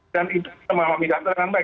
dan itu sama sama midat dengan baik